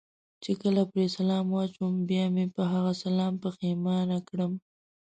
چې کله پرې سلام واچوم بیا مې په هغه سلام پښېمانه کړم.